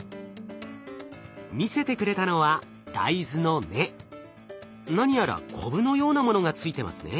見せてくれたのは何やらコブのようなものがついてますね。